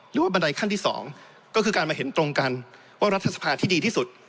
บันไดขั้นที่๒ก็คือการมาเห็นตรงกันว่ารัฐสภาที่ดีที่สุด